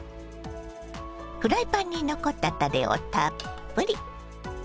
フライパンに残ったたれをたっぷり。